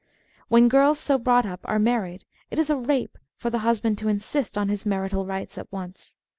When girls so brought up are married it is a rape for the husband to insist on his " marital rights " at once.